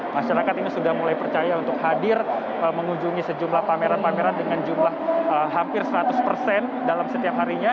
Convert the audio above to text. masyarakat ini sudah mulai percaya untuk hadir mengunjungi sejumlah pameran pameran dengan jumlah hampir seratus persen dalam setiap harinya